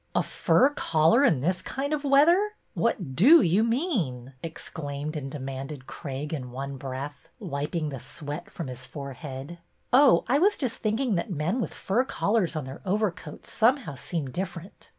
A fur collar this kind of weather ! What do you mean ?" exclaimed and demanded Craig in one breath, wiping the sweat from his forehead. Oh, I was just thinking that men with fur collars on their overcoats somehow seem differ ent.